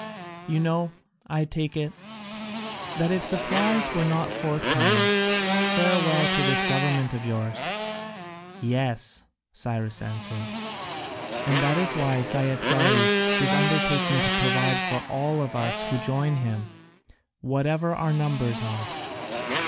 You know, I take it, that if supplies were not forthcoming, farewell to this government of yours." "Yes," Cyrus answered, "and that is why Cyaxares is undertaking to provide for all of us who join him, whatever our numbers are."